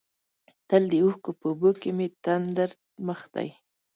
تل د اوښکو په اوبو کې مې تندر مخ دی.